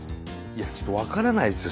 ちょっと分からないですよ